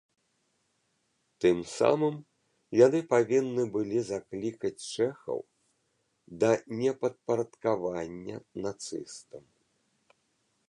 Тым самым яны павінны былі заклікаць чэхаў да непадпарадкавання нацыстам.